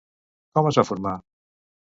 Com es va formar?